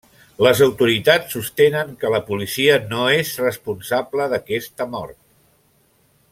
Les autoritats sostenen que la policia no és responsable d'aquesta mort.